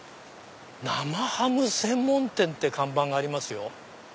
「生ハム専門店」って看板がありますよ。